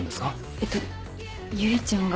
えっと唯ちゃんが。